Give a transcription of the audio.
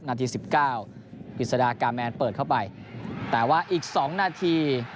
หน้าทีสิบเก้าวิสดาการ์แมนเปิดเข้าไปแต่ว่าอีกสองนาที